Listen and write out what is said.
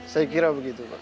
saya kira begitu pak